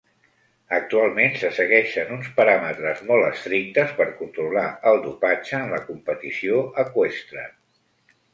Actualment se segueixen uns paràmetres molt estrictes per controlar el dopatge en la competició eqüestre.